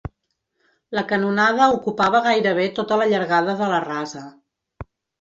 La canonada ocupava gairebé tota la llargada de la rasa.